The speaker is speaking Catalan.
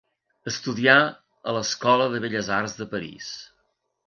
Estudià a l'Escola de Belles Arts de París.